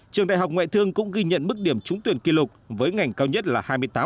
trường đại học ngoại thương cũng ghi nhận mức điểm trúng tuyển kỷ lục với ngành cao nhất là hai mươi tám hai mươi năm